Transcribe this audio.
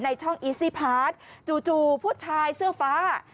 ช่องอีซี่พาร์ทจู่ผู้ชายเสื้อฟ้า